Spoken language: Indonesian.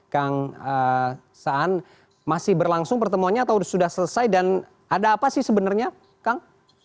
kang saan masih berlangsung pertemuannya atau sudah selesai dan ada apa sih sebenarnya kang